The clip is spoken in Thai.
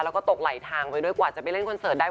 แล้วก็ตกไหลทางไปด้วยกว่าจะไปเล่นคอนเสิร์ตได้